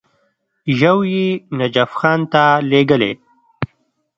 یو یې نجف خان ته لېږلی.